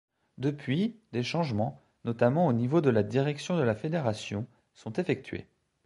Depuis, des changements, notamment au niveau de la direction de la fédération sont effectués.